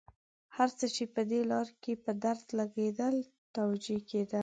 هر څه چې په دې لاره کې په درد لګېدل توجه کېدله.